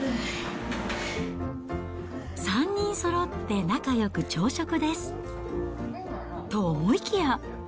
３人そろって仲よく朝食です。と思いきや。